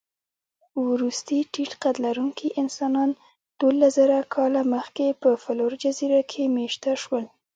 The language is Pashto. وروستي ټيټقدلرونکي انسانان دوولسزره کاله مخکې په فلور جزیره کې مېشته شول.